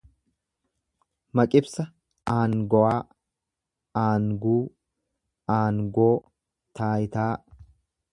Maqibsa aangowaa, aanguu. aangoo, taayitaa.